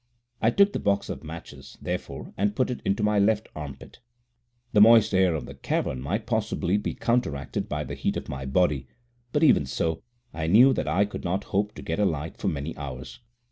I took the box of matches, therefore, and put it into my left armpit. The moist air of the cavern might possibly be counteracted by the heat of my body, but even so, I knew that I could not hope to get a light for many hours.